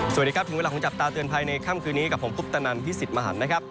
สวัสดีครับถึงเวลาของจับตาเตือนภัยในค่ำคืนนี้กับผมคุปตนันพิสิทธิ์มหันนะครับ